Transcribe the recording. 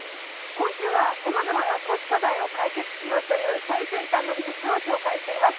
今週は様々な都市課題を解決しようという最先端の技術を紹介しています。